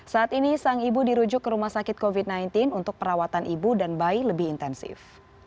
saat ini sang ibu dirujuk ke rumah sakit covid sembilan belas untuk perawatan ibu dan bayi lebih intensif